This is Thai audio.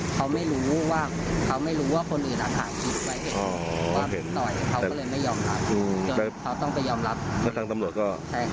เขาไม่รู้ว่าคนอื่นอาหารคิดไว้เห็น